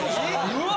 うわ！